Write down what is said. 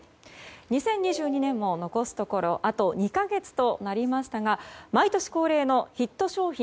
２０２２年も残すところあと２か月となりましたが毎年恒例のヒット商品